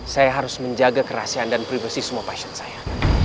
saya harus menjaga kerahasiaan dan privasi semua pasien saya